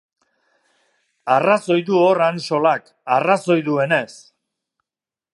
Arrazoi du hor Ansolak, arrazoi duenez.